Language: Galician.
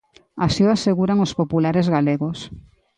Así o aseguran os populares galegos.